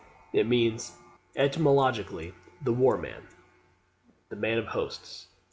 It means, etymologically, the "War man," the "man of hosts."